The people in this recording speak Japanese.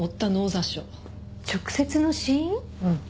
うん。